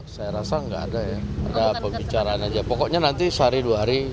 saya rasa nggak ada ya ada pembicaraan aja pokoknya nanti sehari dua hari